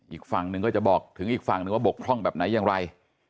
อีกฝั่งหนึ่งก็จะบอกถึงอีกฝั่งหนึ่งว่าบกพร่องแบบไหนอย่างไร